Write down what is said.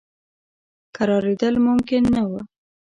کرارېدل ممکن نه وه.